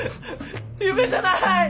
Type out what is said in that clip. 夢じゃない！